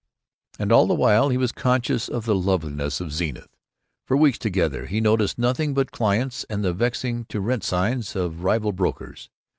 And all the while he was conscious of the loveliness of Zenith. For weeks together he noticed nothing but clients and the vexing To Rent signs of rival brokers.